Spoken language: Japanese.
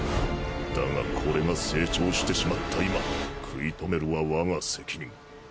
だがこれが成長してしまった今食い止めるは我が責任。